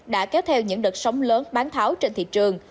đã kéo theo những đợt sóng lớn bán tháo trên thị trường